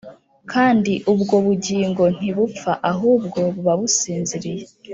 kandi ubwo (bugingo) ntibupfa (ahubwo) buba businziriye.